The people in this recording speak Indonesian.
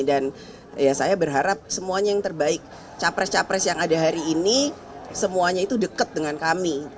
dan saya berharap semuanya yang terbaik capres capres yang ada hari ini semuanya itu deket dengan kami